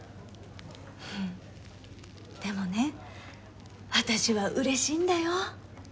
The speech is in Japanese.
でもね私は嬉しいんだよ。